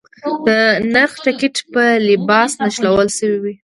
د نرخ ټکټ په لباس نښلول شوی و.